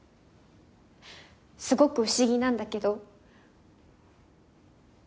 すごく不思議なんだけど。